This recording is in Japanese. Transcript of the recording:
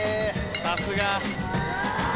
さすが。